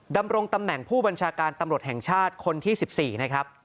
ดำรงตำแหน่งผู้บัญชาการตำรวจแห่งชาติคนที่๑๔นะครับ